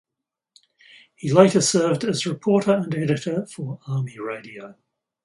He later served as reporter and editor for Army Radio.